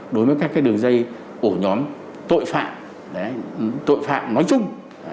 đối với các đường dây ổ nhóm tội phạm tội phạm nói chung